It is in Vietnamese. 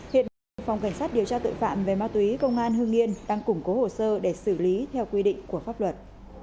hiện bị phòng cảnh sát điều tra tội phạm về ma túy công an hương yên đang củng cố hồ sơ để xử lý theo quy định của pháp luật